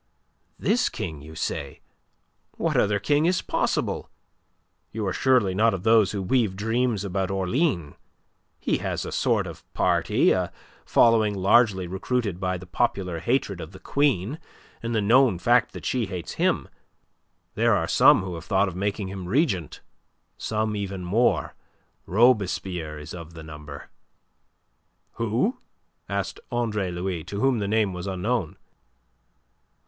"This King, you say? What other king is possible? You are surely not of those who weave dreams about Orleans? He has a sort of party, a following largely recruited by the popular hatred of the Queen and the known fact that she hates him. There are some who have thought of making him regent, some even more; Robespierre is of the number." "Who?" asked Andre Louis, to whom the name was unknown.